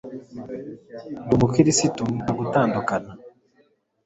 Ndi umukirisitu nta gutandukana